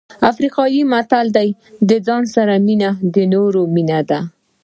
افریقایي متل وایي د ځان مینه د نورو مینه ده.